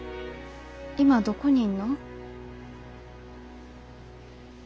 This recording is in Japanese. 今どこにいんの？